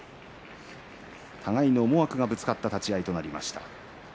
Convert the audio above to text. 互いの思惑がぶつかった立ち合いとなりました。